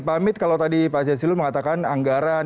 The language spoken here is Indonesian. pak hamid kalau tadi pak zaisilul mengatakan anggaran